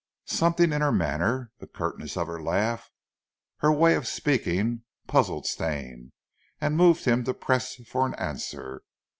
Something in her manner, the curtness of her laugh, her way of speaking, puzzled Stane, and moved him to press for an answer.